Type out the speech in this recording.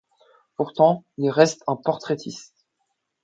Pourtant, il reste un portraitiste.